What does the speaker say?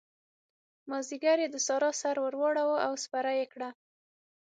مازديګر يې د سارا سر ور واړاوو او ور سپره يې کړه.